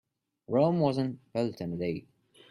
Rome wasn't built in a day.